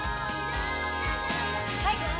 はい。